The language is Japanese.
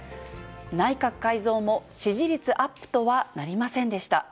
内閣改造も支持率アップとはなりませんでした。